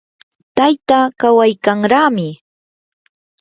tayta kawaykanraami.